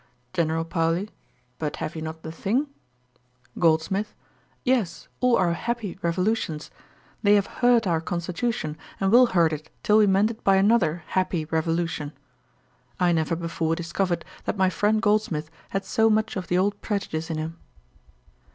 GENERAL PAOLI. 'But have you not the thing?' GOLDSMITH. 'Yes; all our happy revolutions. They have hurt our constitution, and will hurt it, till we mend it by another HAPPY REVOLUTION.' I never before discovered that my friend Goldsmith had so much of the old prejudice in him.